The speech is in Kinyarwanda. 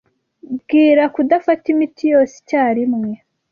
Bwira kudafata imiti yose icyarimwe.